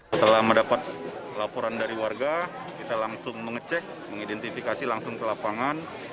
setelah mendapat laporan dari warga kita langsung mengecek mengidentifikasi langsung ke lapangan